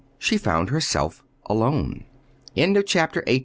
she found herself alone. CHAPTER XIX.